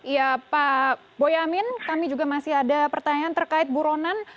ya pak boyamin kami juga masih ada pertanyaan terkait buronan